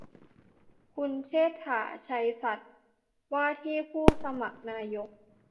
คุณเชษฐา ไชยสัตย์ ว่าที่ผู้สมัครนายก